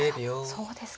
そうですか。